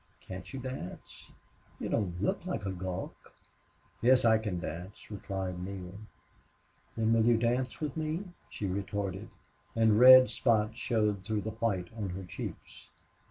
Can't you dance? You don't look like a gawk." "Yes, I can dance," replied Neale. "Then will you dance with me?" she retorted, and red spots showed through the white on her cheeks.